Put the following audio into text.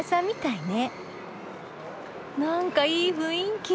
なんかいい雰囲気。